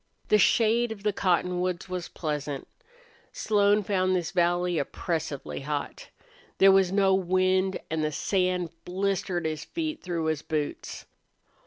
The shade of the cotton woods was pleasant. Slone found this valley oppressively hot. There was no wind and the sand blistered his feet through his boots.